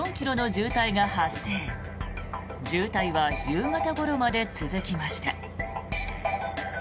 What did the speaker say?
渋滞は夕方ごろまで続きました。